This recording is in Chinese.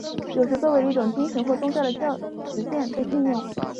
有时作为一种精神或宗教的实践被运用。